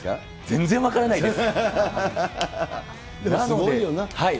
全然分からないです。